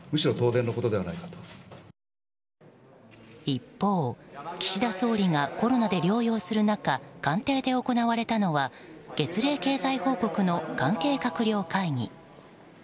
一方、岸田総理がコロナで療養する中官邸で行われたのは月例経済報告の関係閣僚会議。